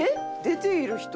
“出ている人”」